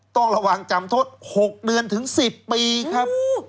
ต้องระวังจำโทษ๖เดือนถึง๑๐ปีครับ